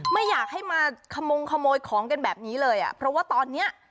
ไม่อยากให้มาขมงขโมยของกันแบบนี้เลยอ่ะเพราะว่าตอนเนี้ย